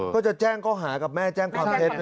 เขาจะแจ้งข้อหากับแม่แจ้งคอนเท็จด้วยนะ